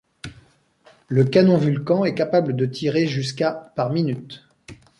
Le canon Vulcan est capable de tirer jusqu'à par minute.